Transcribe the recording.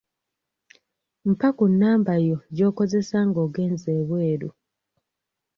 Mpa ku namba yo gy'okozesa nga ogenze ebweru.